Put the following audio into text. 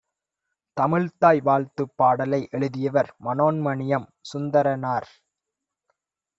தமிழ்த்தாய் வாழ்த்துப் பாடலை எழுதியவர் மனோன்மணியம் சுந்தரனார்.